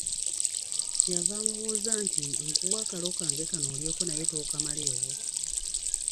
Kyeyava amubuuza nti "Nkuwe akalo kange kano olyeko naye tokamaleewo?